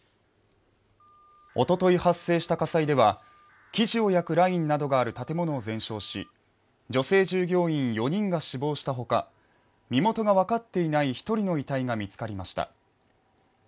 おととい発生した火災では生地を焼くラインがある建物を全焼し女性従業員４人が死亡したほか、身元が分かっていない１人の遺体が見つかりました。